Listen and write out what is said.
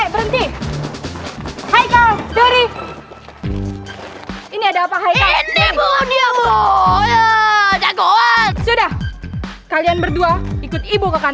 berarti diri korban